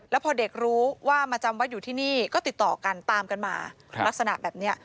แล้วพอเด็กรู้ว่ามาจำวัดอยู่ที่นี่ก็ติดต่อกันตามกันมาลักษณะแบบนี้